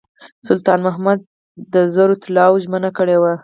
سلطان محمود زر طلاوو ژمنه کړې وه.